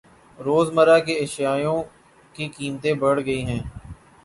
روز مرہ کے اشیاوں کی قیمتیں بڑھ گئ ہے۔